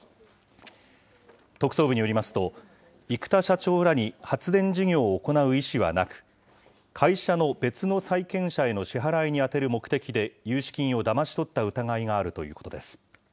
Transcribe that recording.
特捜部によりますと、生田社長らに発電事業を行う意思はなく、会社の別の債権者への支払いに充てる目的で融資金をだまし取った疑いがあるということです。